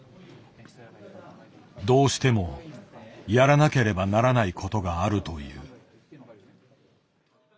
どうしてもやらなければならないことがあるという。